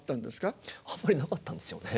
あんまりなかったんですよね。